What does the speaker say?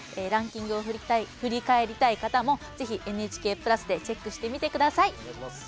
ランキングを振り返りたい方もぜひ「ＮＨＫプラス」でチェックしてみてください。